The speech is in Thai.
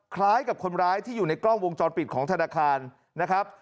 คล้ายกับคนร้ายที่อยู่ในกล้องวงจรปิดของธนาคารนะครับ